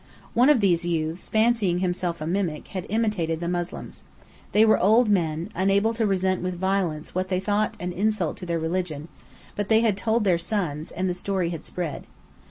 One of these youths, fancying himself a mimic, had imitated the Moslems. They were old men, unable to resent with violence what they thought an insult to their religion; but they had told their sons, and the story had spread.